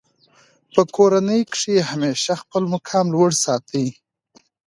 په کورنۍ کښي همېشه خپل مقام لوړ ساتئ!